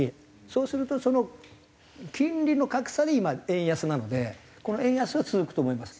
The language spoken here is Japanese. そうするとその金利の格差で今円安なのでこの円安は続くと思います。